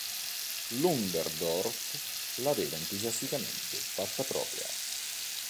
Ludendorff l'aveva entusiasticamente fatta propria.